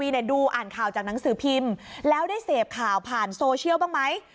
ดูอ่านข่าวจากหนังสือพิมพ์แล้วได้เสพข่าวผ่านโซเชียลบ้างไหม